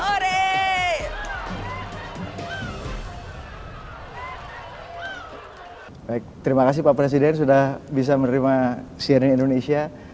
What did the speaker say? oke baik terima kasih pak presiden sudah bisa menerima cnn indonesia